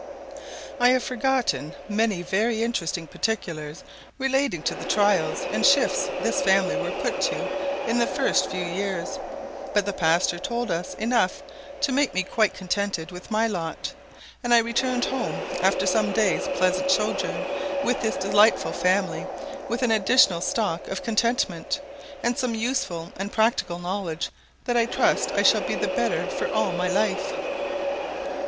I have forgotten many very interesting particulars relating to the trials and shifts this family were put to in the first few years; but the pastor told us enough to make me quite contented with my lot, and I returned home, after some days' pleasant sojourn with this delightful family, with an additional stock of contentment, and some useful and practical knowledge, that I trust I shall be the better for all my life.